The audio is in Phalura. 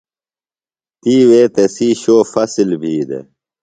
تی وے تسی شو فصل بھی دےۡ۔